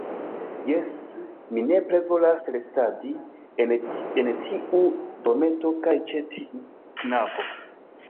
Jes, mi nepre volas restadi en tiu dometo kaj ĉe tiu knabo.